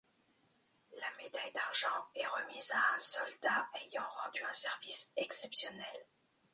La médaille d'argent est remise à un soldat ayant rendu un service exceptionnel.